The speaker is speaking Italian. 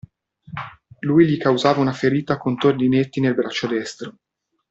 Lui gli causava una ferita a contorni netti nel braccio destro.